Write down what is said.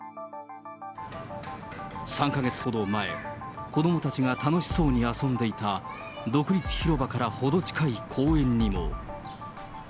３か月ほど前、子どもたちが楽しそうに遊んでいた独立広場から程近い公園にも。